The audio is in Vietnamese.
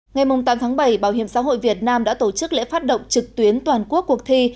ngày tám tháng bảy bảo hiểm xã hội việt nam đã tổ chức lễ phát động trực tuyến toàn quốc cuộc thi